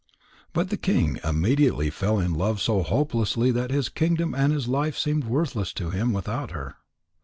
But the king immediately fell in love so hopelessly that his kingdom and his life seemed worthless to him without her.